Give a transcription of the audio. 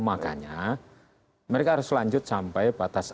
makanya mereka harus lanjut sampai batas